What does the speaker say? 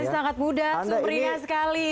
masih sangat muda sumbernya sekali